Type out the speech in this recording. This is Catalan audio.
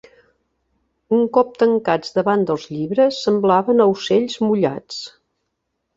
Un cop tancats davant dels llibres, semblaven aucells mullats